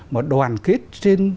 mà đoàn kết trên